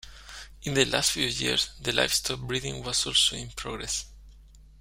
In the last few years the livestock-breeding was also in progress.